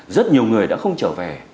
rất nhiều người đã không trở về